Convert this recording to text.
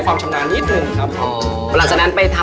อ๋อมาเลยย่างนิดนึงละเอียดนิดนึงครับผม